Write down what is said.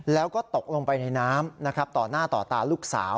แล้วก็ตกลงไปในน้ำนะครับต่อหน้าต่อตาลูกสาว